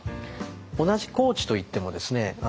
同じ高知といってもですね